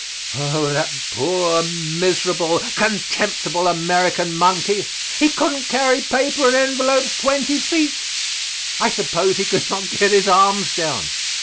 Oh, the poor miserable, contemptible American monkey! He couldn't carry paper and envelopes twenty feet. I suppose he could not get his arms down.